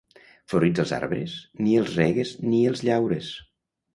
Florits els arbres, ni els regues ni els llaures.